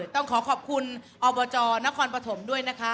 ต้องขอขอบคุณอบจนครปฐมด้วยนะคะ